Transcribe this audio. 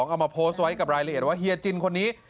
เอามาโพสต์ไว้กับรายละเอียดว่าเฮียจินคนนี้